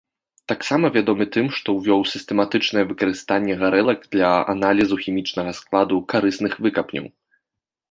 Таксама вядомы тым, што ўвёў сістэматычнае выкарыстанне гарэлак для аналізу хімічнага складу карысных выкапняў.